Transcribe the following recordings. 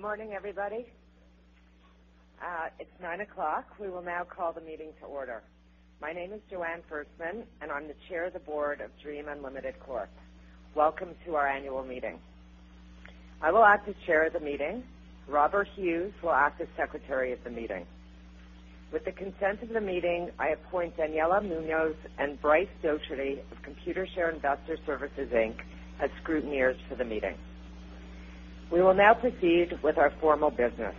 Good morning, everybody. It is 9:00 A.M. We will now call the meeting to order. My name is Joanne Ferstman, and I am the Chair of the Board of DREAM Unlimited Corp. Welcome to our annual meeting. I will act as Chair of the meeting. Robert Hughes will act as Secretary of the meeting. With the consent of the meeting, I appoint Daniela Munoz and Bryce Dougherty of Computershare Investor Services, Inc., as scrutineers for the meeting. We will now proceed with our formal business.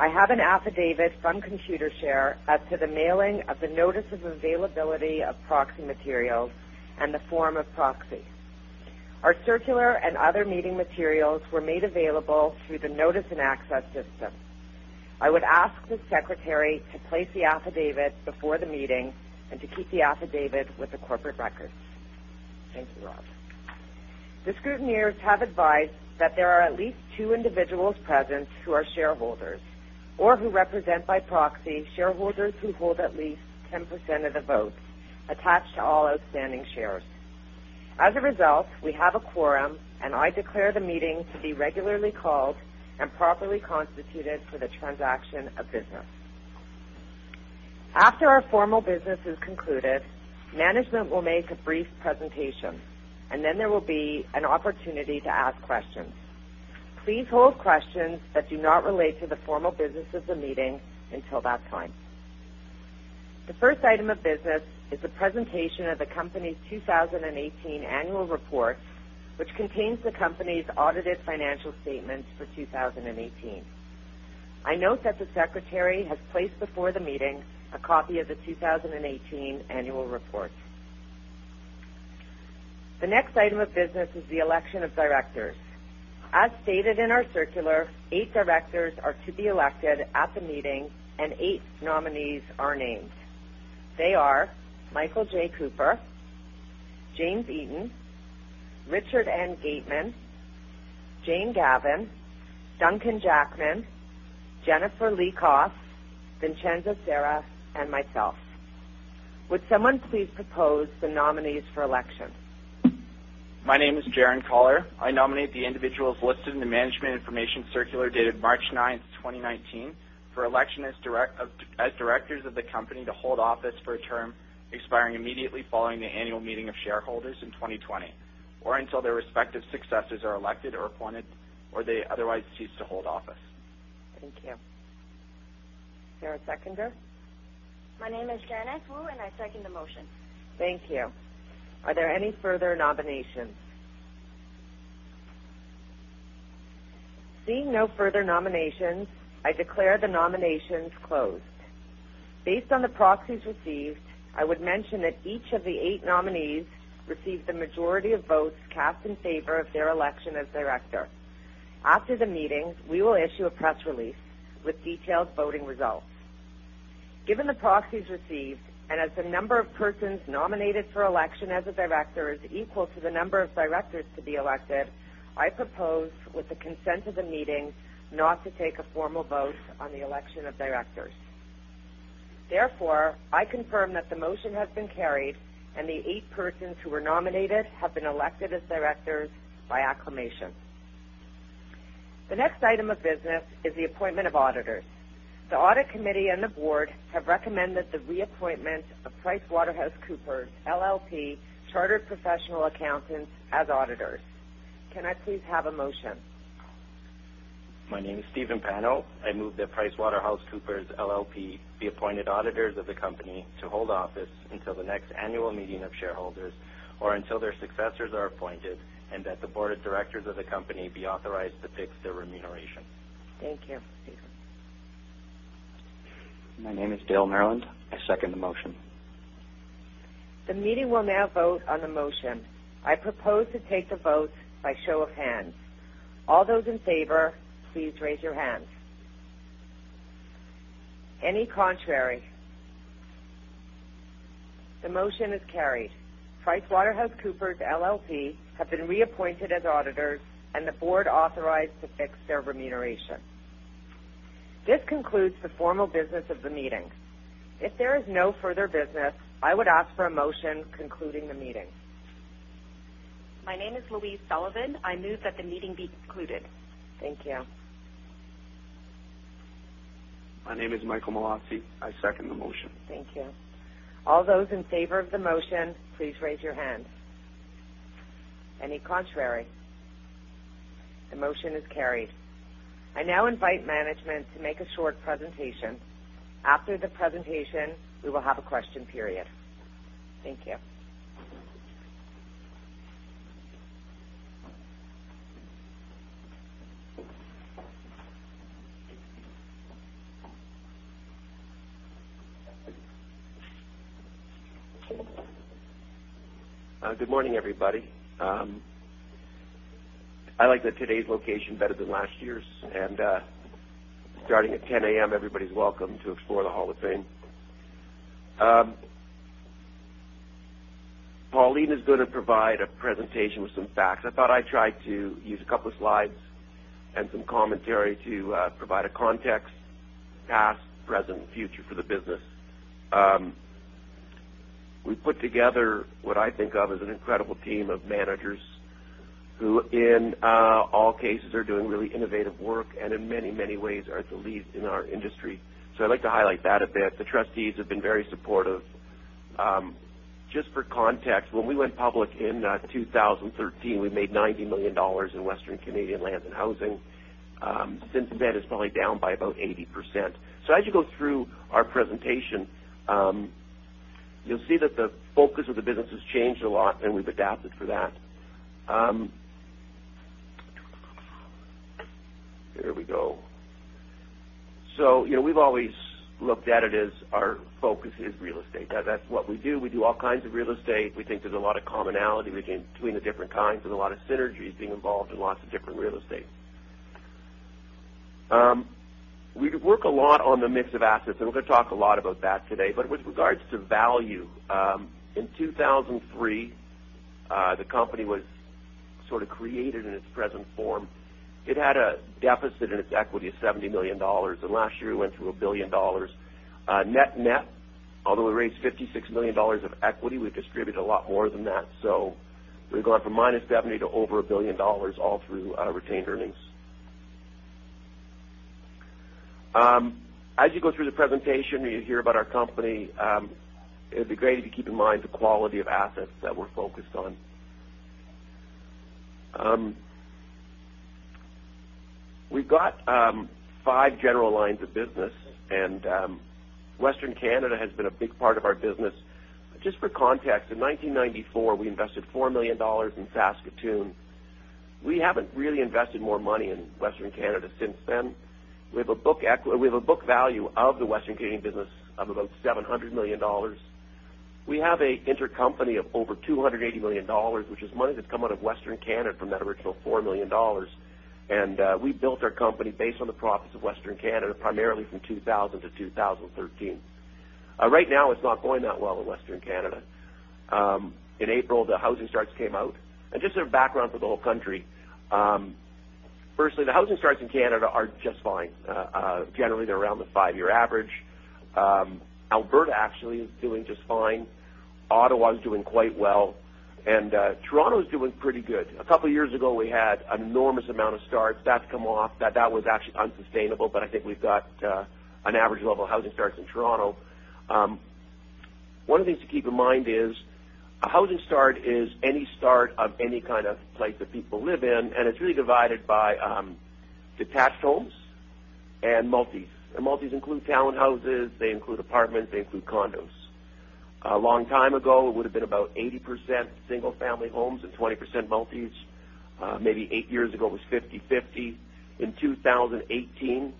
I have an affidavit from Computershare as to the mailing of the notice of availability of proxy materials and the form of proxy. Our circular and other meeting materials were made available through the notice and access system. I would ask the Secretary to place the affidavit before the meeting and to keep the affidavit with the corporate records. Thank you, Rob. The scrutineers have advised that there are at least two individuals present who are shareholders or who represent by proxy shareholders who hold at least 10% of the vote attached to all outstanding shares. As a result, we have a quorum, and I declare the meeting to be regularly called and properly constituted for the transaction of business. After our formal business is concluded, management will make a brief presentation, and then there will be an opportunity to ask questions. Please hold questions that do not relate to the formal business of the meeting until that time. The first item of business is a presentation of the company's 2018 annual report, which contains the company's audited financial statements for 2018. I note that the Secretary has placed before the meeting a copy of the 2018 annual report. The next item of business is the election of directors. As stated in our circular, eight directors are to be elected at the meeting, and eight nominees are named. They are Michael J. Cooper, James Eaton, Richard N. Gateman, Jane Gavan, Duncan Jackman, Jennifer Lee Koss, Vincenza Sera, and myself. Would someone please propose the nominees for election? My name is Jaron Collar. I nominate the individuals listed in the management information circular dated March 9th, 2019, for election as directors of the company to hold office for a term expiring immediately following the annual meeting of shareholders in 2020 or until their respective successors are elected or appointed, or they otherwise cease to hold office. Thank you. Is there a seconder? My name is Janice Wu. I second the motion. Thank you. Are there any further nominations? Seeing no further nominations, I declare the nominations closed. Based on the proxies received, I would mention that each of the eight nominees received the majority of votes cast in favor of their election as director. After the meeting, we will issue a press release with detailed voting results. Given the proxies received, as the number of persons nominated for election as a director is equal to the number of directors to be elected, I propose with the consent of the meeting not to take a formal vote on the election of directors. Therefore, I confirm that the motion has been carried, the eight persons who were nominated have been elected as directors by acclamation. The next item of business is the appointment of auditors. The audit committee and the board have recommended the reappointment of PricewaterhouseCoopers LLP, chartered professional accountants as auditors. Can I please have a motion? My name is Steven Pano. I move that PricewaterhouseCoopers LLP be appointed auditors of the company to hold office until the next annual meeting of shareholders or until their successors are appointed, and that the board of directors of the company be authorized to fix their remuneration. Thank you, Steven. My name is Dale Maryland. I second the motion. The meeting will now vote on the motion. I propose to take the vote by show of hands. All those in favor, please raise your hands. Any contrary? The motion is carried. PricewaterhouseCoopers LLP have been reappointed as auditors, and the board authorized to fix their remuneration. This concludes the formal business of the meeting. If there is no further business, I would ask for a motion concluding the meeting. My name is Louise Sullivan. I move that the meeting be concluded. Thank you. My name is Michael Malossi. I second the motion. Thank you. All those in favor of the motion, please raise your hands. Any contrary? The motion is carried. I now invite management to make a short presentation. After the presentation, we will have a question period. Thank you. Good morning, everybody. I like today's location better than last year's. Starting at 10:00 A.M., everybody's welcome to explore the Hall of Fame. Pauline is going to provide a presentation with some facts. I thought I'd try to use a couple of slides and some commentary to provide a context, past, present, future for the business. We put together what I think of as an incredible team of managers who in all cases are doing really innovative work and in many ways are the least in our industry. I'd like to highlight that a bit. The trustees have been very supportive. Just for context, when we went public in 2013, we made 90 million dollars in Western Canadian lands and housing. Since then, it's probably down by about 80%. As you go through our presentation, you'll see that the focus of the business has changed a lot, and we've adapted for that. There we go. We've always looked at it as our focus is real estate. That's what we do. We do all kinds of real estate. We think there's a lot of commonality between the different kinds and a lot of synergies being involved in lots of different real estate. We work a lot on the mix of assets, and we're going to talk a lot about that today. With regards to value, in 2003, the company was sort of created in its present form. It had a deficit in its equity of 70 million dollars. Last year, it went through 1 billion dollars. Net net, although we raised 56 million dollars of equity, we distributed a lot more than that. We've gone from minus 70 to over 1 billion dollars all through retained earnings. As you go through the presentation, you hear about our company. It would be great if you keep in mind the quality of assets that we're focused on. We've got five general lines of business, and Western Canada has been a big part of our business. Just for context, in 1994, we invested 4 million dollars in Saskatoon. We haven't really invested more money in Western Canada since then. We have a book value of the Western Canadian business of about 700 million dollars. We have an intercompany of over 280 million dollars, which is money that's come out of Western Canada from that original 4 million dollars. And we built our company based on the profits of Western Canada, primarily from 2000 to 2013. Right now, it's not going that well in Western Canada. In April, the housing starts came out. Just as a background for the whole country. Firstly, the housing starts in Canada are just fine. Generally, they're around the five-year average. Alberta actually is doing just fine. Ottawa is doing quite well. And Toronto is doing pretty good. A couple of years ago, we had an enormous amount of starts. That's come off. That was actually unsustainable. But I think we've got an average level of housing starts in Toronto. One of the things to keep in mind is a housing start is any start of any kind of place that people live in, and it's really divided by detached homes and multis. And multis include townhouses, they include apartments, they include condos. A long time ago, it would have been about 80% single family homes and 20% multis. Maybe eight years ago, it was 50/50. In 2018,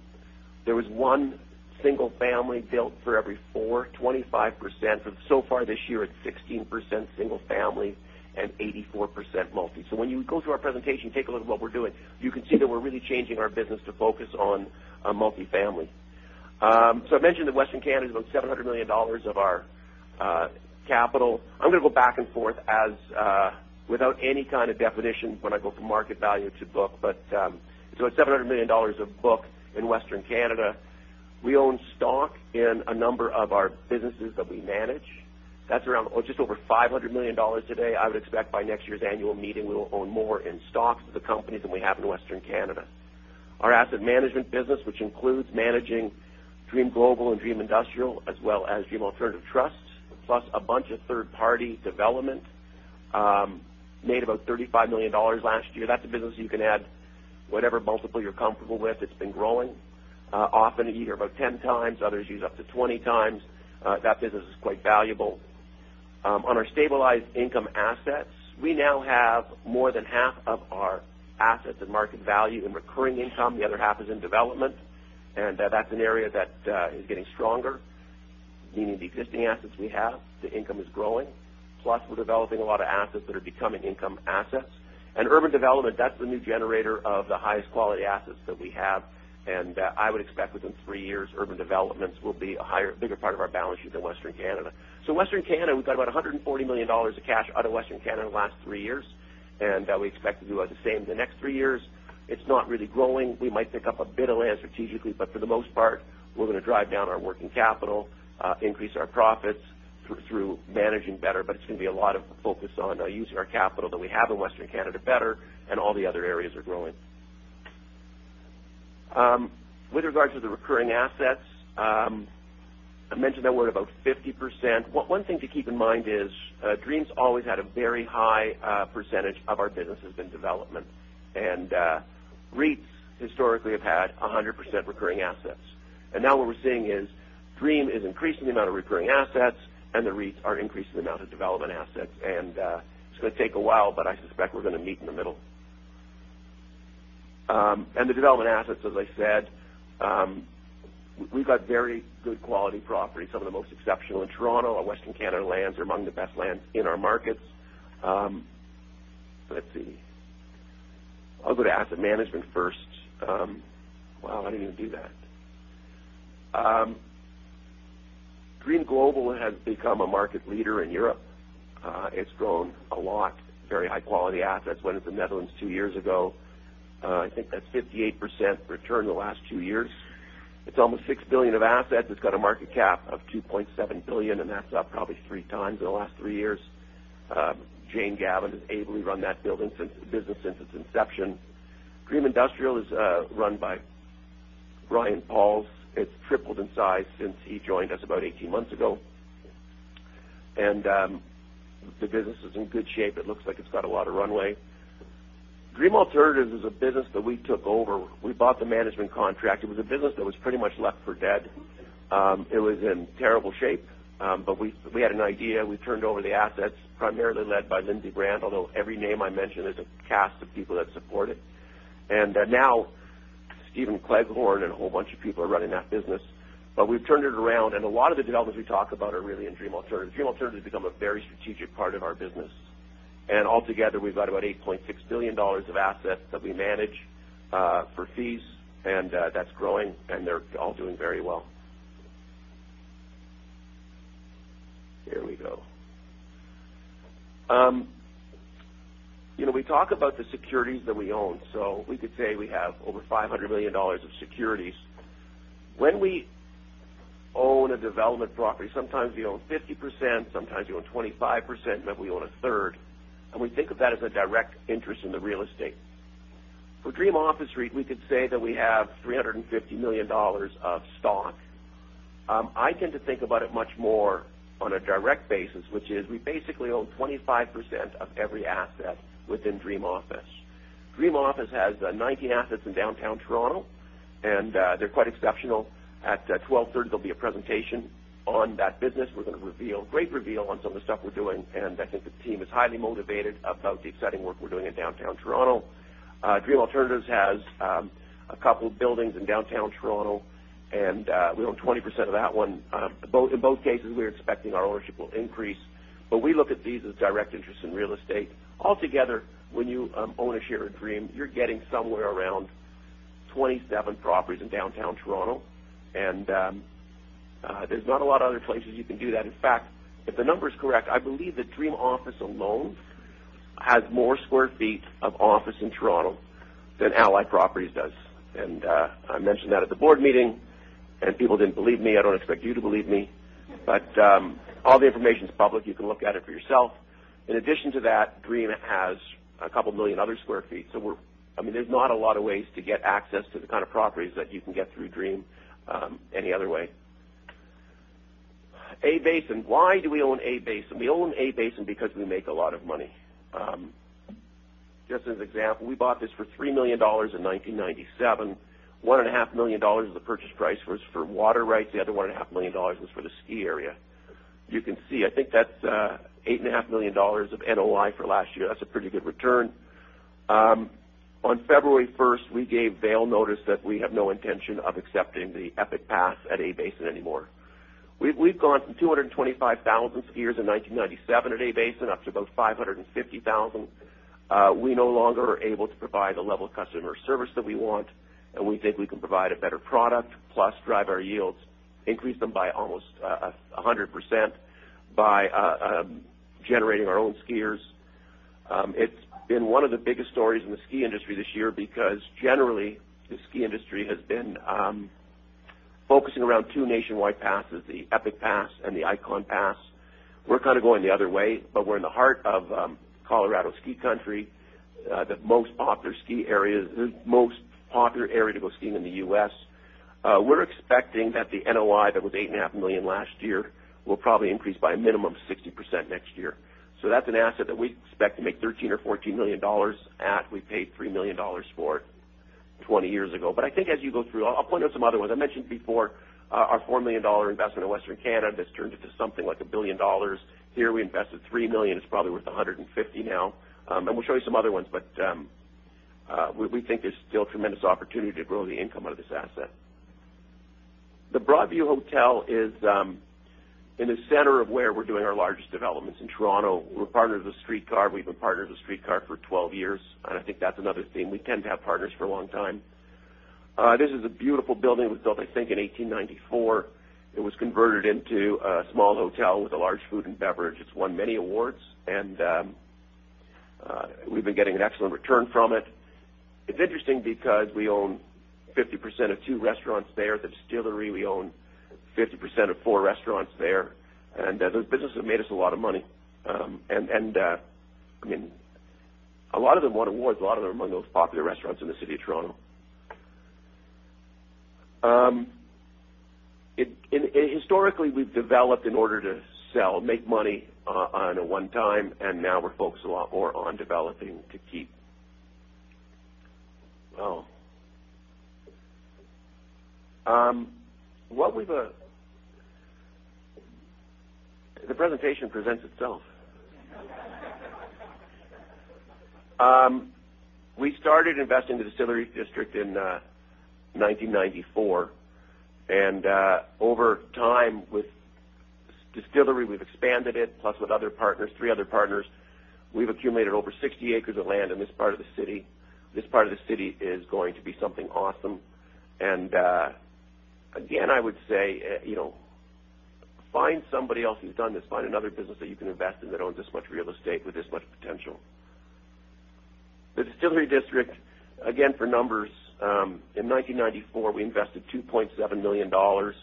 there was one single family built for every four, 25%. Far this year, it's 16% single family and 84% multi. When you go through our presentation, take a look at what we're doing. You can see that we're really changing our business to focus on multi-family. I mentioned that Western Canada is about 700 million dollars of our capital. I'm going to go back and forth without any kind of definition when I go from market value to book. It's 700 million dollars of book in Western Canada. We own stock in a number of our businesses that we manage. That's around just over 500 million dollars today. I would expect by next year's annual meeting, we will own more in stocks of the company than we have in Western Canada. Our asset management business, which includes managing DREAM Global and DREAM Industrial, as well as DREAM Alternatives Trust, plus a bunch of third-party development, made about 35 million dollars last year. That's a business you can add whatever multiple you're comfortable with. It's been growing. Often you hear about 10 times, others use up to 20 times. That business is quite valuable. On our stabilized income assets, we now have more than half of our assets and market value in recurring income. The other half is in development, and that's an area that is getting stronger. Meaning the existing assets we have, the income is growing. Plus, we're developing a lot of assets that are becoming income assets. Urban development, that's the new generator of the highest quality assets that we have. I would expect within three years, urban developments will be a bigger part of our balance sheet than Western Canada. Western Canada, we've got about 140 million dollars of cash out of Western Canada in the last three years, and we expect to do the same the next three years. It's not really growing. We might pick up a bit of land strategically, but for the most part, we're going to drive down our working capital, increase our profits through managing better. It's going to be a lot of focus on using our capital that we have in Western Canada better and all the other areas are growing. With regards to the recurring assets, I mentioned that we're about 50%. One thing to keep in mind is, DREAM's always had a very high percentage of our business has been development. REITs historically have had 100% recurring assets. Now what we're seeing is DREAM is increasing the amount of recurring assets and the REITs are increasing the amount of development assets. It's going to take a while, but I suspect we're going to meet in the middle. The development assets, as I said, we've got very good quality properties, some of the most exceptional in Toronto. Our Western Canada lands are among the best lands in our markets. Let's see. I'll go to asset management first. Wow, how did I do that? DREAM Global has become a market leader in Europe. It's grown a lot. Very high-quality assets. Went into the Netherlands two years ago. I think that's 58% return in the last two years. It's almost 6 billion of assets. It's got a market cap of 2.7 billion, and that's up probably three times in the last three years. Jane Gavan has ably run that business since its inception. DREAM Industrial is run by Brian Pauls. It's tripled in size since he joined us about 18 months ago. The business is in good shape. It looks like it's got a lot of runway. DREAM Alternatives is a business that we took over. We bought the management contract. It was a business that was pretty much left for dead. It was in terrible shape. We had an idea, and we turned over the assets, primarily led by Lindsay Brand, although every name I mention, there's a cast of people that support it. Now Stephen Cleghorn and a whole bunch of people are running that business. We've turned it around, and a lot of the developments we talk about are really in DREAM Alternatives. DREAM Alternatives has become a very strategic part of our business. Altogether, we've got about 8.6 billion dollars of assets that we manage for fees, and that's growing, and they're all doing very well. Here we go. We talk about the securities that we own. We could say we have over 500 million dollars of securities. When we own a development property, sometimes we own 50%, sometimes we own 25%, and then we own a third. We think of that as a direct interest in the real estate. For DREAM Office REIT, we could say that we have 350 million dollars of stock. I tend to think about it much more on a direct basis, which is we basically own 25% of every asset within DREAM Office. DREAM Office has 19 assets in downtown Toronto, and they're quite exceptional. At 12:30 P.M., there'll be a presentation on that business. Great reveal on some of the stuff we're doing. I think the team is highly motivated about the exciting work we're doing in downtown Toronto. DREAM Alternatives has a couple buildings in downtown Toronto. We own 20% of that one. In both cases, we're expecting our ownership will increase. We look at these as direct interests in real estate. Altogether, when you own a share of DREAM, you're getting somewhere around 27 properties in downtown Toronto. There's not a lot of other places you can do that. In fact, if the number is correct, I believe that DREAM Office alone has more square feet of office in Toronto than Allied Properties does. I mentioned that at the board meeting, and people didn't believe me. I don't expect you to believe me. All the information is public. You can look at it for yourself. In addition to that, DREAM has a couple million other square feet. There's not a lot of ways to get access to the kind of properties that you can get through DREAM any other way. A-Basin. Why do we own A-Basin? We own A-Basin because we make a lot of money. Just as an example, we bought this for 3 million dollars in 1997. 1.5 million dollars of the purchase price was for water rights. The other 1.5 million dollars was for the ski area. You can see, I think that's 8.5 million dollars of NOI for last year. That's a pretty good return. On February 1st, we gave Vail notice that we have no intention of accepting the Epic Pass at A-Basin anymore. We've gone from 225,000 skiers in 1997 at A-Basin up to about 550,000. We no longer are able to provide the level of customer service that we want. We think we can provide a better product, plus drive our yields, increase them by almost 100% by generating our own skiers. It's been one of the biggest stories in the ski industry this year because generally, the ski industry has been focusing around two nationwide passes, the Epic Pass and the Ikon Pass. We're kind of going the other way. We're in the heart of Colorado ski country, the most popular area to go skiing in the U.S. We're expecting that the NOI that was 8.5 million last year will probably increase by a minimum of 60% next year. That's an asset that we expect to make 13 million or 14 million dollars at. We paid 3 million dollars for it 20 years ago. I think as you go through, I'll point out some other ones. I mentioned before our 4 million dollar investment in Western Canada that's turned into something like 1 billion dollars. Here we invested 3 million. It's probably worth 150 million now. We'll show you some other ones. We think there's still tremendous opportunity to grow the income out of this asset. The Broadview Hotel is in the center of where we're doing our largest developments in Toronto. We're partnered with Streetcar. We've been partnered with Streetcar for 12 years. I think that's another theme. We tend to have partners for a long time. This is a beautiful building. It was built, I think, in 1894. It was converted into a small hotel with a large food and beverage. It's won many awards. We've been getting an excellent return from it. It's interesting because we own 50% of two restaurants there. The Distillery District, we own 50% of four restaurants there. Those businesses have made us a lot of money. A lot of them won awards. A lot of them are among the most popular restaurants in the city of Toronto. Historically, we've developed in order to sell, make money on a one-time, now we're focused a lot more on developing to keep. Well, the presentation presents itself. We started investing in the Distillery District in 1994. Over time with Distillery, we've expanded it, plus with other partners, three other partners. We've accumulated over 60 acres of land in this part of the city. This part of the city is going to be something awesome. Again, I would say, find somebody else who's done this. Find another business that you can invest in that owns this much real estate with this much potential. The Distillery District, again, for numbers, in 1994, we invested 2.7 million dollars.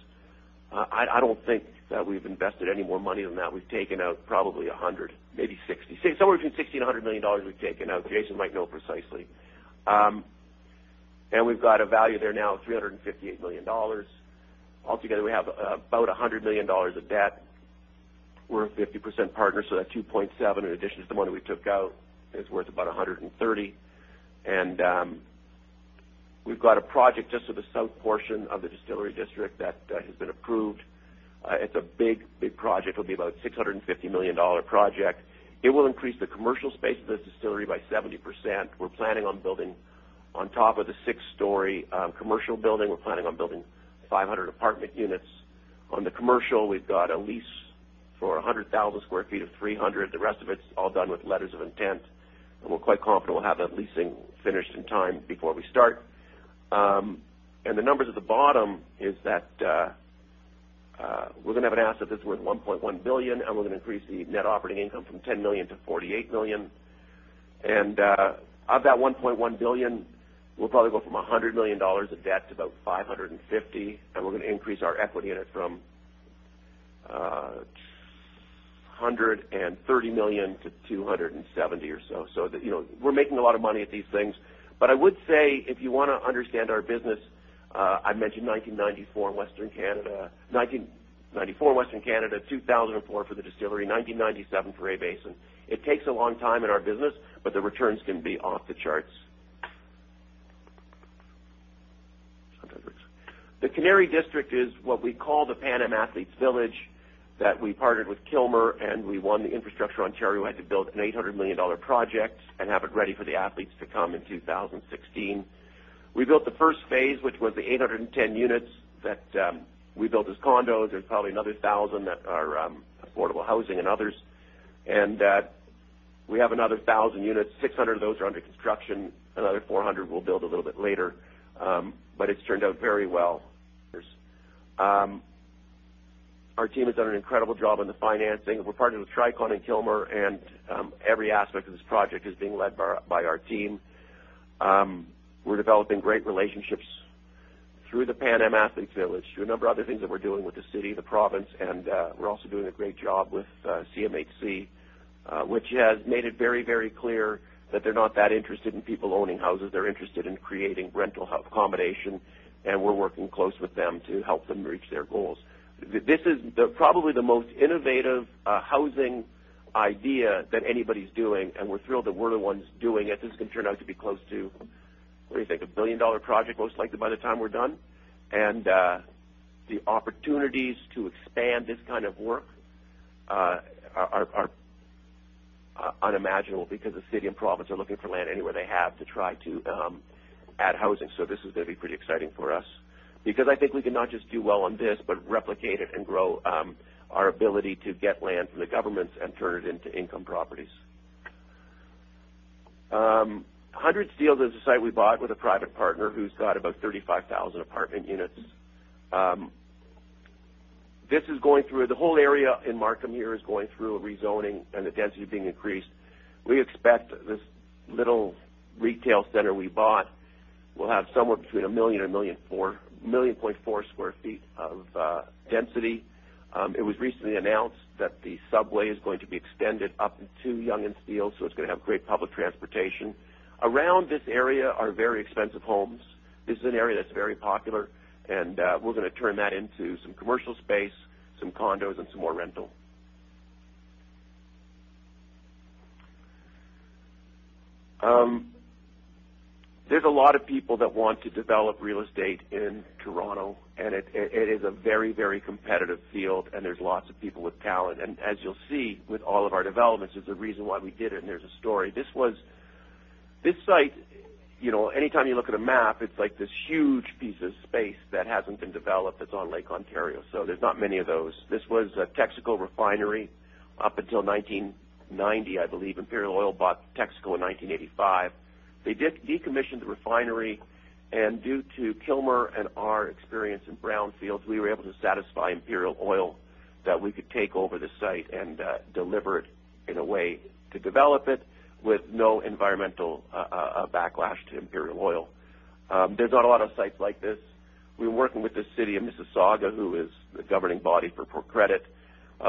I don't think that we've invested any more money than that. We've taken out probably 100, maybe 60. Somewhere between 60 million and 100 million dollars we've taken out. Jason might know precisely. We've got a value there now of 358 million dollars. Altogether, we have about 100 million dollars of debt. We're a 50% partner, so that 2.7, in addition to the money we took out, is worth about 130 million. We've got a project just to the south portion of the Distillery District that has been approved. It's a big project. It'll be about a 650 million dollar project. It will increase the commercial space of the Distillery District by 70%. We're planning on building on top of the six-story commercial building. We're planning on building 500 apartment units. On the commercial, we've got a lease for 100,000 square feet of 300. We're quite confident we'll have that leasing finished in time before we start. The numbers at the bottom is that we're going to have an asset that's worth 1.1 billion, we're going to increase the Net Operating Income from 10 million to 48 million. Of that 1.1 billion, we'll probably go from 100 million dollars of debt to about 550 million, we're going to increase our equity in it from 130 million to 270 million or so. We're making a lot of money at these things. I would say, if you want to understand our business, I mentioned 1994 in Western Canada, 2004 for the Distillery District, 1997 for A-Basin. It takes a long time in our business, the returns can be off the charts. The Canary District is what we call the Pan Am Athletes' Village that we partnered with Kilmer. We won the infrastructure. Ontario had to build a 800 million dollar project and have it ready for the athletes to come in 2016. We built the first phase, which was the 810 units that we built as condos. There's probably another 1,000 that are affordable housing and others. We have another 1,000 units, 600 of those are under construction. Another 400 we'll build a little bit later. It's turned out very well. Our team has done an incredible job on the financing. We're partnered with Tricon and Kilmer. Every aspect of this project is being led by our team. We're developing great relationships through the Pan Am Athletes Village, through a number of other things that we're doing with the city, the province, and we're also doing a great job with CMHC which has made it very clear that they're not that interested in people owning houses. They're interested in creating rental accommodation, and we're working close with them to help them reach their goals. This is probably the most innovative housing idea that anybody's doing, and we're thrilled that we're the ones doing it. This is going to turn out to be close to, what do you think, a billion-dollar project, most likely by the time we're done. The opportunities to expand this kind of work are unimaginable because the city and province are looking for land anywhere they have to try to add housing. This is going to be pretty exciting for us. I think we can not just do well on this, but replicate it and grow our ability to get land from the governments and turn it into income properties. 100 Steeles is a site we bought with a private partner who's got about 35,000 apartment units. The whole area in Markham here is going through a rezoning and the density being increased. We expect this little retail center we bought will have somewhere between 1 million and 1.4 million square feet of density. It was recently announced that the subway is going to be extended up to Yonge-Eglinton, so it's going to have great public transportation. Around this area are very expensive homes. This is an area that's very popular, and we're going to turn that into some commercial space, some condos, and some more rental. There's a lot of people that want to develop real estate in Toronto. It is a very competitive field, and there's lots of people with talent. As you'll see with all of our developments, there's a reason why we did it, and there's a story. This site, anytime you look at a map, it's like this huge piece of space that hasn't been developed that's on Lake Ontario. There's not many of those. This was a Texaco refinery up until 1990, I believe. Imperial Oil bought Texaco in 1985. They decommissioned the refinery, and due to Kilmer and our experience in Brownfields, we were able to satisfy Imperial Oil that we could take over the site and deliver it in a way to develop it with no environmental backlash to Imperial Oil. There's not a lot of sites like this. We're working with the City of Mississauga, who is the governing body for Port Credit.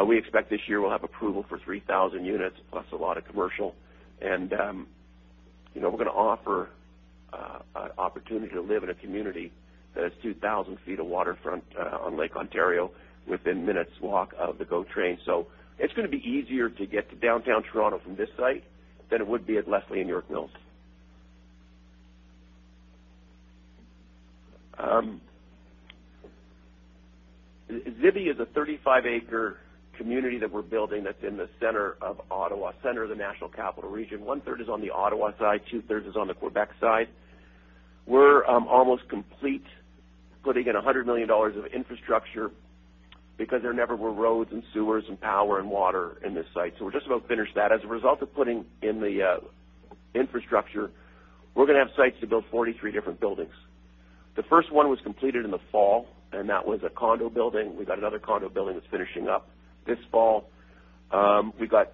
We expect this year we'll have approval for 3,000 units, plus a lot of commercial. We're going to offer an opportunity to live in a community that has 2,000 feet of waterfront on Lake Ontario within minutes walk of the GO Train. It's going to be easier to get to downtown Toronto from this site than it would be at Leslie and York Mills. Zibi is a 35-acre community that we're building that's in the center of Ottawa, center of the National Capital Region. One-third is on the Ottawa side, two-thirds is on the Quebec side. We're almost complete, putting in 100 million dollars of infrastructure. There never were roads and sewers and power and water in this site. We're just about finished that. As a result of putting in the infrastructure, we're going to have sites to build 43 different buildings. The first one was completed in the fall, that was a condo building. We've got another condo building that's finishing up this fall. We've got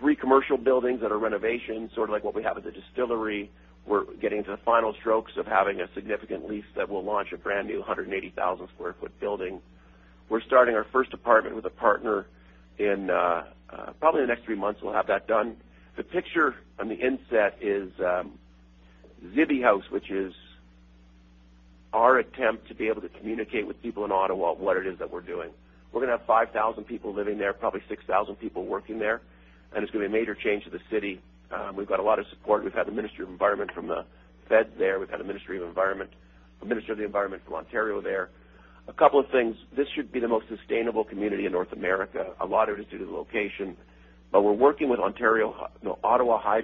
three commercial buildings that are renovations, sort of like what we have at the distillery. We're getting to the final strokes of having a significant lease that will launch a brand new 180,000 sq ft building. We're starting our first apartment with a partner in probably the next three months, we'll have that done. The picture on the inset is Zibi House, which is our attempt to be able to communicate with people in Ottawa what it is that we're doing. We're going to have 5,000 people living there, probably 6,000 people working there, it's going to be a major change to the city. We've got a lot of support. We've had the Ministry of Environment from the feds there. We've had a Ministry of the Environment from Ontario there. A couple of things. This should be the most sustainable community in North America. A lot of it is due to the location, but we're working with Hydro Ottawa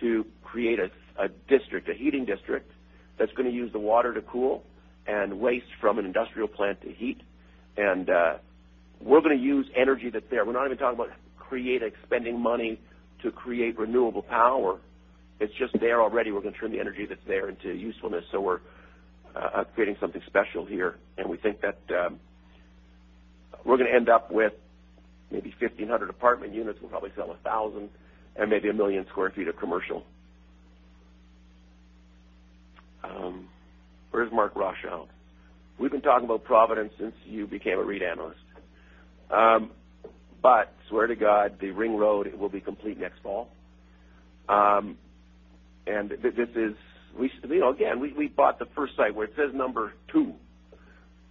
to create a heating district that's going to use the water to cool and waste from an industrial plant to heat. We're going to use energy that's there. We're not even talking about spending money to create renewable power. It's just there already. We're going to turn the energy that's there into usefulness. We're creating something special here, we think that we're going to end up with maybe 1,500 apartment units. We'll probably sell 1,000 and maybe a million sq ft of commercial. Where's Mark Rothschild? We've been talking about Providence since you became a REIT analyst. Swear to God, the Ring Road will be complete next fall. Again, we bought the first site where it says number 2.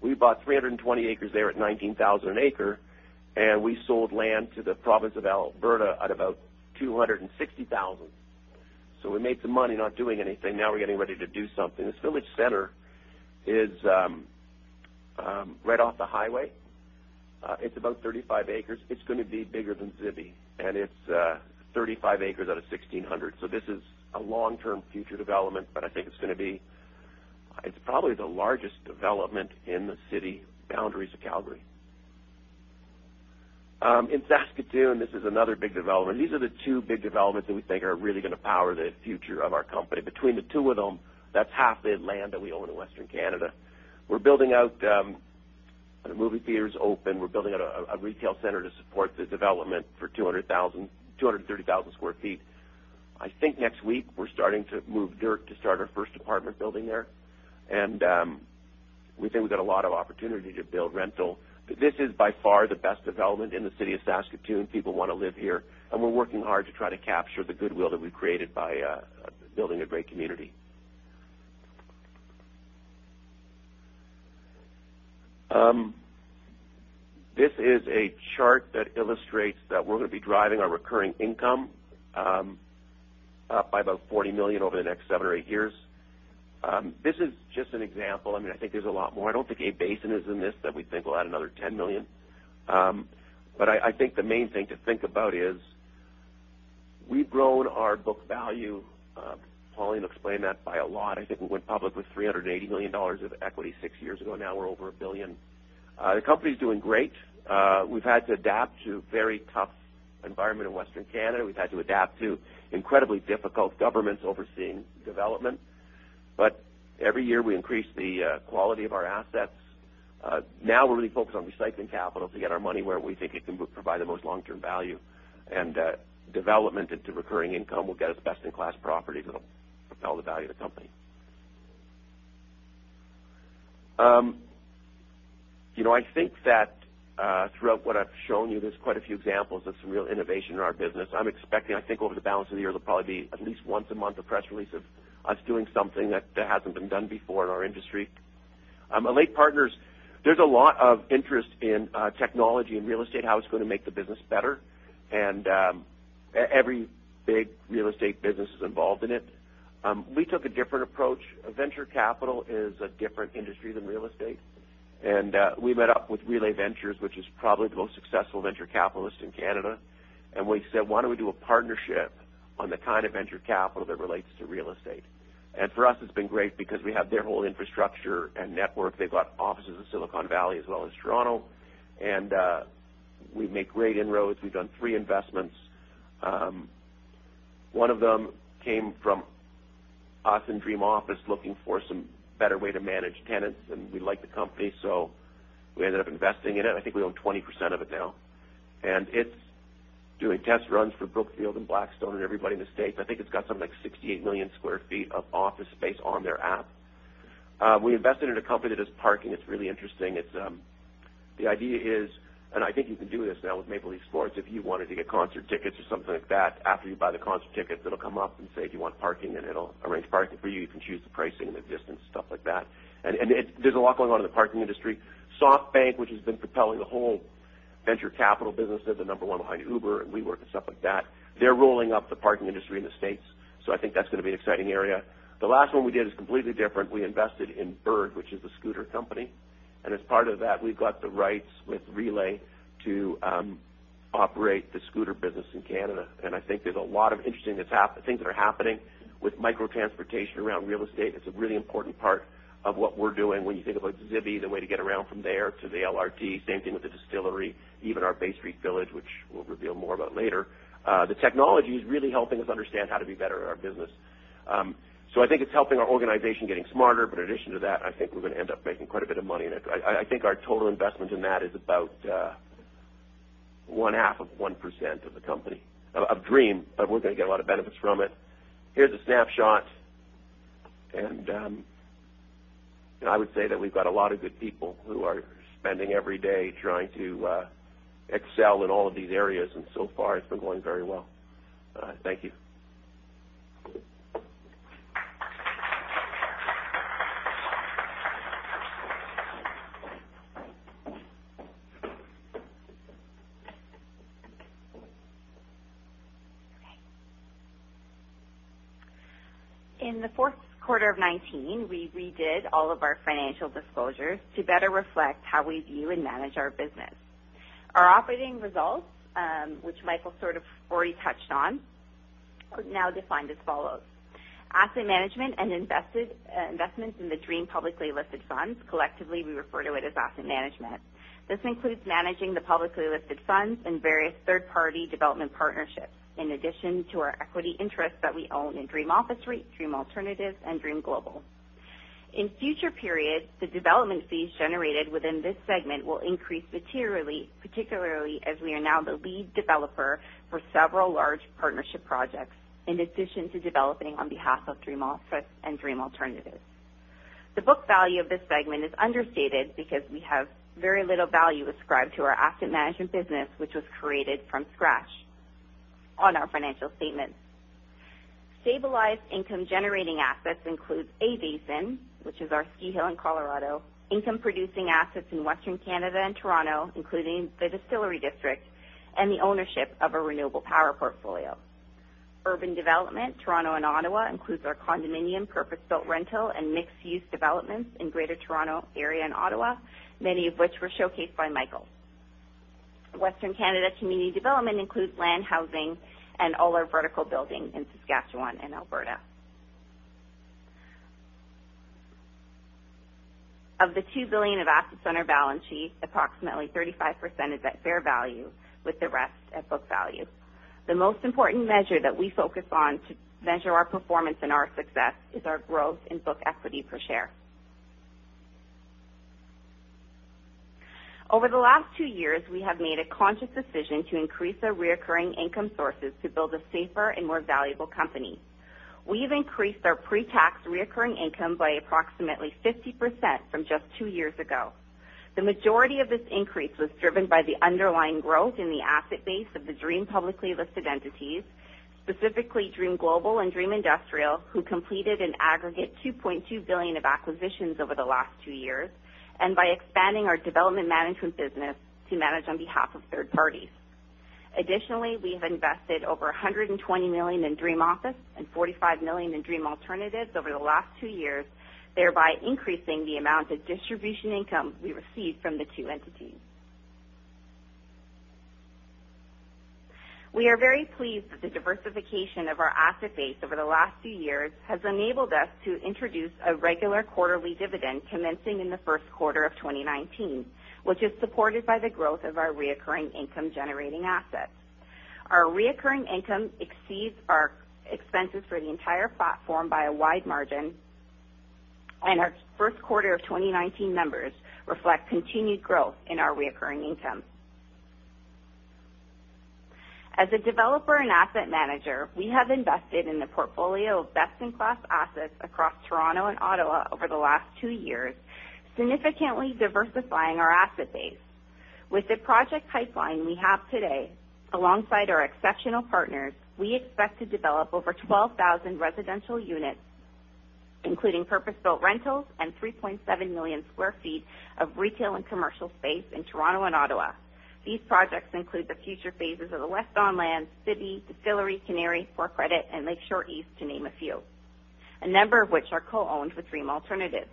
We bought 320 acres there at 19,000 an acre, we sold land to the province of Alberta at about 260,000. We made some money not doing anything. Now we're getting ready to do something. This village center is right off the highway. It's about 35 acres. It's going to be bigger than Zibi, it's 35 acres out of 1,600. This is a long-term future development, but I think it's probably the largest development in the city boundaries of Calgary. In Saskatoon, this is another big development. These are the two big developments that we think are really going to power the future of our company. Between the two of them, that's half the land that we own in Western Canada. We're building out. The movie theater is open. We're building out a retail center to support the development for 230,000 sq ft. I think next week we're starting to move dirt to start our first apartment building there. We think we've got a lot of opportunity to build rental. This is by far the best development in the city of Saskatoon. People want to live here, we're working hard to try to capture the goodwill that we've created by building a great community. This is a chart that illustrates that we're going to be driving our recurring income up by about 40 million over the next seven or eight years. This is just an example. I think there's a lot more. I don't think A-Basin is in this that we think will add another 10 million. I think the main thing to think about is we've grown our book value. Pauline explained that by a lot. I think we went public with 380 million dollars of equity six years ago. Now we're over 1 billion. The company is doing great. We've had to adapt to very tough environment in Western Canada. We've had to adapt to incredibly difficult governments overseeing development. Every year we increase the quality of our assets. Now we're really focused on recycling capital to get our money where we think it can provide the most long-term value and development into recurring income. We've got as best-in-class properties that will propel the value of the company. I think that throughout what I've shown you, there's quite a few examples of some real innovation in our business. I'm expecting, I think over the balance of the year, there'll probably be at least once a month a press release of us doing something that hasn't been done before in our industry. Alate Partners, there's a lot of interest in technology and real estate, how it's going to make the business better. Every big real estate business is involved in it. We took a different approach. Venture capital is a different industry than real estate. We met up with Relay Ventures, which is probably the most successful venture capitalist in Canada. We said, "Why don't we do a partnership on the kind of venture capital that relates to real estate?" For us, it's been great because we have their whole infrastructure and network. They've got offices in Silicon Valley as well as Toronto. We make great inroads. We've done three investments. One of them came from us and DREAM Office looking for some better way to manage tenants, and we like the company, so we ended up investing in it. I think we own 20% of it now. It's doing test runs for Brookfield and Blackstone and everybody in the U.S. I think it's got something like 68 million square feet of office space on their app. We invested in a company that does parking. It's really interesting. The idea is, and I think you can do this now with Maple Leaf Sports, if you wanted to get concert tickets or something like that, after you buy the concert tickets, it'll come up and say, do you want parking? It'll arrange parking for you. You can choose the pricing that exists and stuff like that. There's a lot going on in the parking industry. SoftBank, which has been propelling the whole venture capital business. They're the number one behind Uber and WeWork and stuff like that. They're rolling up the parking industry in the U.S. I think that's going to be an exciting area. The last one we did is completely different. We invested in Bird, which is a scooter company. As part of that, we've got the rights with Relay to operate the scooter business in Canada. I think there's a lot of interesting things that are happening with micro transportation around real estate. It's a really important part of what we're doing when you think about Zibi, the way to get around from there to the LRT, same thing with the Distillery, even our Bay Street Village, which we'll reveal more about later. The technology is really helping us understand how to be better at our business. I think it's helping our organization getting smarter. In addition to that, I think we're going to end up making quite a bit of money in it. I think our total investment in that is about one half of 1% of the company. Of DREAM, we're going to get a lot of benefits from it. Here's a snapshot. I would say that we've got a lot of good people who are spending every day trying to excel in all of these areas, and so far it's been going very well. Thank you. In the fourth quarter of 2019, we redid all of our financial disclosures to better reflect how we view and manage our business. Our operating results, which Michael sort of already touched on, are now defined as follows. Asset management and investments in the DREAM publicly listed funds, collectively, we refer to it as asset management. This includes managing the publicly listed funds and various third-party development partnerships, in addition to our equity interests that we own in DREAM Office REIT, DREAM Alternatives, and DREAM Global. In future periods, the development fees generated within this segment will increase materially, particularly as we are now the lead developer for several large partnership projects, in addition to developing on behalf of DREAM Office and DREAM Alternatives. The book value of this segment is understated because we have very little value ascribed to our asset management business, which was created from scratch on our financial statements. Stabilized income-generating assets includes A-Basin, which is our ski hill in Colorado, income-producing assets in Western Canada and Toronto, including the Distillery District, and the ownership of a renewable power portfolio. Urban development, Toronto and Ottawa includes our condominium, purpose-built rental, and mixed-use developments in Greater Toronto Area and Ottawa, many of which were showcased by Michael. Western Canada community development includes land, housing, and all our vertical building in Saskatchewan and Alberta. Of the 2 billion of assets on our balance sheet, approximately 35% is at fair value with the rest at book value. The most important measure that we focus on to measure our performance and our success is our growth in book equity per share. Over the last two years, we have made a conscious decision to increase our reoccurring income sources to build a safer and more valuable company. We've increased our pre-tax reoccurring income by approximately 50% from just two years ago. The majority of this increase was driven by the underlying growth in the asset base of the DREAM publicly listed entities, specifically DREAM Global and DREAM Industrial, who completed an aggregate 2.2 billion of acquisitions over the last two years, and by expanding our development management business to manage on behalf of third parties. Additionally, we have invested over 120 million in DREAM Office and 45 million in DREAM Alternatives over the last two years, thereby increasing the amount of distribution income we received from the two entities. We are very pleased that the diversification of our asset base over the last few years has enabled us to introduce a regular quarterly dividend commencing in the first quarter of 2019, which is supported by the growth of our reoccurring income-generating assets. Our reoccurring income exceeds our expenses for the entire platform by a wide margin, and our first quarter of 2019 numbers reflect continued growth in our reoccurring income. As a developer and asset manager, we have invested in the portfolio of best-in-class assets across Toronto and Ottawa over the last two years, significantly diversifying our asset base. With the project pipeline we have today, alongside our exceptional partners, we expect to develop over 12,000 residential units, including purpose-built rentals and 3.7 million sq ft of retail and commercial space in Toronto and Ottawa. These projects include the future phases of the West Don Lands, City, Distillery, Canary, Port Credit, and Lakeshore East, to name a few. A number of which are co-owned with DREAM Alternatives.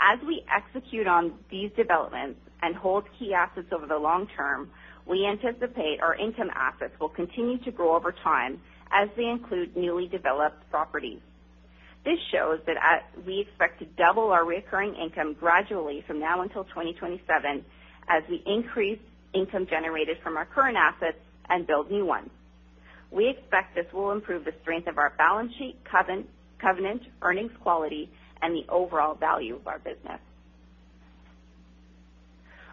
As we execute on these developments and hold key assets over the long term, we anticipate our income assets will continue to grow over time as we include newly developed properties. This shows that we expect to double our reoccurring income gradually from now until 2027 as we increase income generated from our current assets and build new ones. We expect this will improve the strength of our balance sheet, covenant, earnings quality, and the overall value of our business.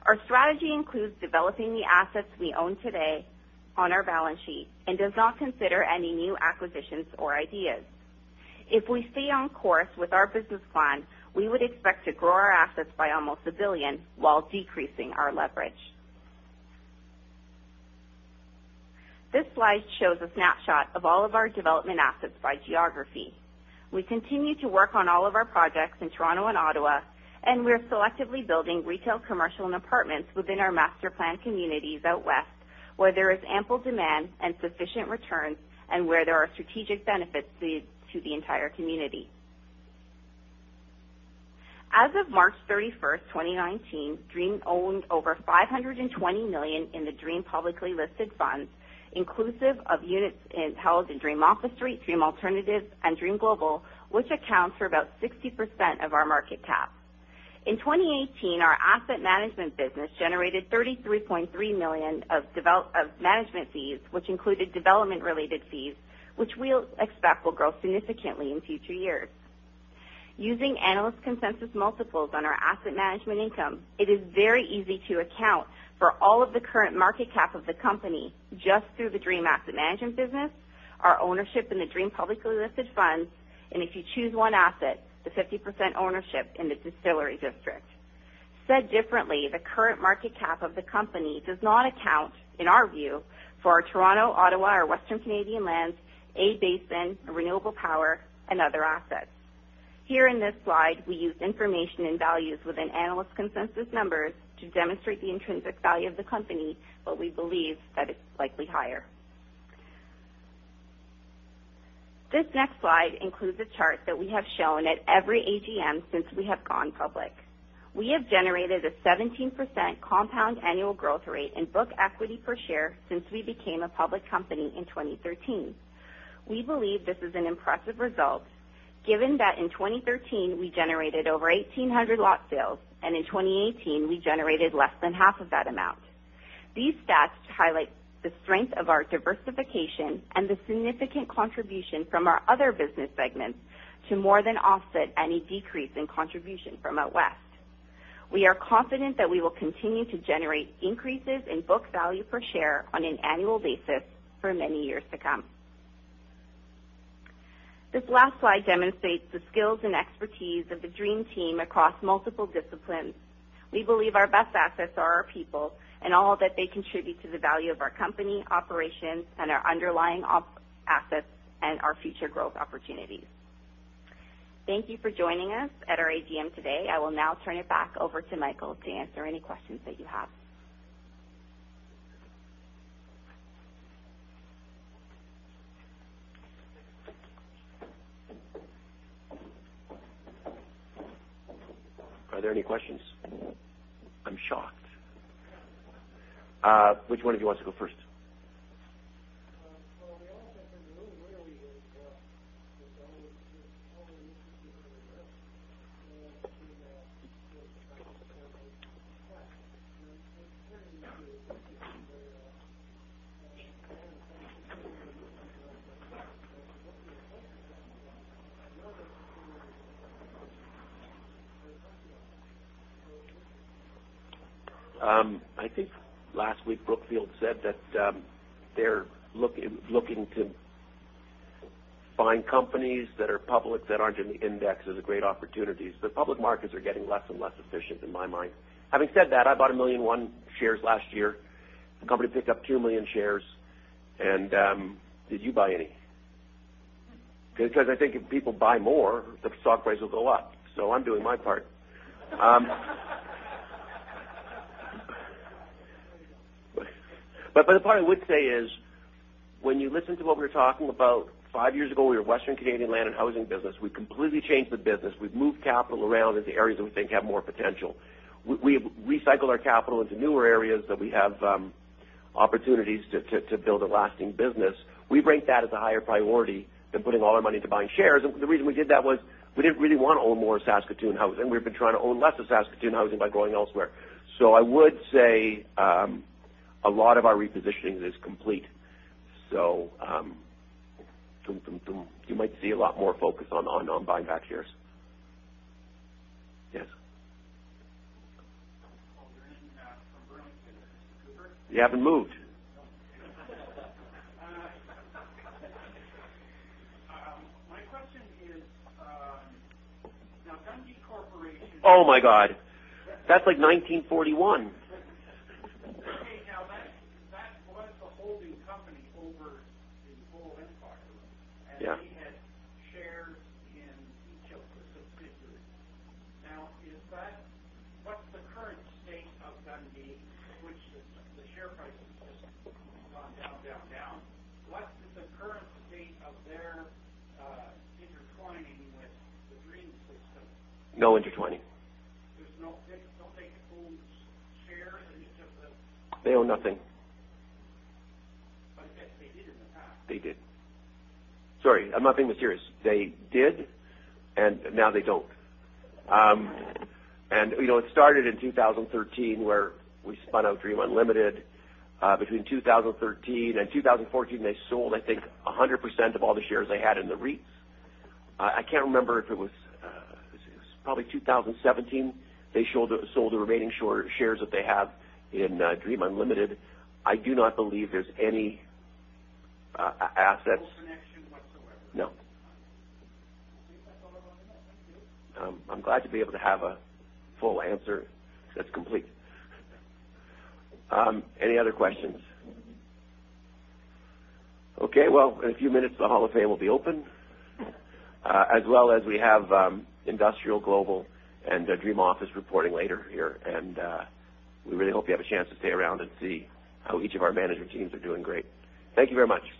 Our strategy includes developing the assets we own today on our balance sheet and does not consider any new acquisitions or ideas. If we stay on course with our business plan, we would expect to grow our assets by almost 1 billion while decreasing our leverage. This slide shows a snapshot of all of our development assets by geography. We continue to work on all of our projects in Toronto and Ottawa, and we're selectively building retail, commercial, and apartments within our master-planned communities out West, where there is ample demand and sufficient returns and where there are strategic benefits to the entire community. As of March 31st, 2019, DREAM owned over 520 million in the DREAM publicly listed funds, inclusive of units held in DREAM Office REIT, DREAM Alternatives, and DREAM Global, which accounts for about 60% of our market cap. In 2018, our asset management business generated 33.3 million of management fees, which included development-related fees, which we expect will grow significantly in future years. Using analyst consensus multiples on our asset management income, it is very easy to account for all of the current market cap of the company just through the DREAM asset management business, our ownership in the DREAM publicly listed funds, and if you choose one asset, the 50% ownership in the Distillery District. Said differently, the current market cap of the company does not account, in our view, for our Toronto, Ottawa, or Western Canadian lands, A-Basin, Renewable Power, and other assets. Here in this slide, we use information and values within analyst consensus numbers to demonstrate the intrinsic value of the company, but we believe that it's likely higher. This next slide includes a chart that we have shown at every AGM since we have gone public. We have generated a 17% compound annual growth rate in book equity per share since we became a public company in 2013. We believe this is an impressive result given that in 2013, we generated over 1,800 lot sales, and in 2018, we generated less than half of that amount. These stats highlight the strength of our diversification and the significant contribution from our other business segments to more than offset any decrease in contribution from out West. We are confident that we will continue to generate increases in book value per share on an annual basis for many years to come. This last slide demonstrates the skills and expertise of the DREAM team across multiple disciplines. We believe our best assets are our people and all that they contribute to the value of our company, operations, and our underlying assets and our future growth opportunities. Thank you for joining us at our AGM today. I will now turn it back over to Michael to answer any questions that you have. Are there any questions? I'm shocked. Which one of you wants to go first? The only thing that really worries me is that with all the issues that are out there, and I see that with the current market crash, and it's turning into a situation where pension funds and things like that are going to be affected. What we would hope is that you want to know that I think last week, Brookfield said that they're looking to find companies that are public that aren't in the index as a great opportunity. The public markets are getting less and less efficient in my mind. Having said that, I bought 1.1 million shares last year. The company picked up 2 million shares. Did you buy any? Because I think if people buy more, the stock price will go up. I'm doing my part. The part I would say is, when you listen to what we were talking about five years ago, we were a Western Canadian land and housing business. We've completely changed the business. We've moved capital around into areas that we think have more potential. We've recycled our capital into newer areas that we have opportunities to build a lasting business. We rank that as a higher priority than putting all our money to buying shares. The reason we did that was we didn't really want to own more Saskatoon housing. We've been trying to own less of Saskatoon housing by going elsewhere. I would say a lot of our repositioning is complete. You might see a lot more focus on buying back shares. Yes. Well, Bernie from Bernie and Mr. Cooper. You haven't moved. No. My question is, now Dundee Corporation. Oh my God. That's like 1941. Okay, that was the holding company over the whole empire. Yeah. We had shares in each of the subsidiaries. What's the current state of Dundee? Which the share price has just gone down. What is the current state of their intertwining with the DREAM system? No intertwining. Don't they hold shares in each of the? They own nothing. Yet they did in the past. They did. Sorry, I'm not being mysterious. They did, and now they don't. It started in 2013, where we spun out DREAM Unlimited. Between 2013 and 2014, they sold, I think, 100% of all the shares they had in the REITs. I can't remember if it was probably 2017, they sold the remaining shares that they have in DREAM Unlimited. I do not believe there's any assets- No connection whatsoever. No. I think that's all I wanted to know. Thank you. I'm glad to be able to have a full answer that's complete. Any other questions? Okay, well, in a few minutes, the hall of fame will be open, as well as we have DREAM Industrial REIT and DREAM Office reporting later here. We really hope you have a chance to stay around and see how each of our management teams are doing great. Thank you very much.